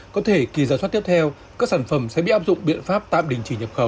có thể kỳ giả soát tiếp theo các sản phẩm sẽ bị áp dụng biện pháp tạm đình chỉ nhập khẩu